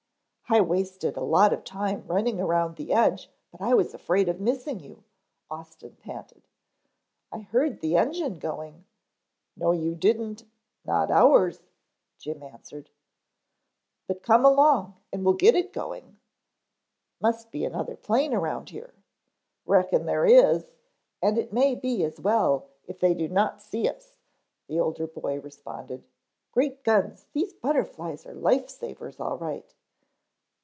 "I wasted a lot of time running around the edge but I was afraid of missing you," Austin panted. "I heard the engine going " "No you didn't, not ours," Jim answered. "But come along and we'll get it going." "Must be another plane around here." "Reckon there is and it may be as well if they do not see us," the older boy responded. "Great guns, these butterflies are life savers all right."